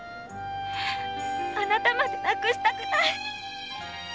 あなたまで失いたくない！